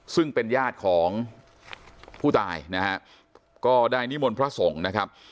ซึ่งเป็นญาติของผู้ตายนะฮะก็ได้นิมนต์พระสงฆ์นะครับ